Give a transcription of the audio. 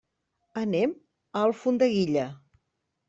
Anem a Alfondeguilla.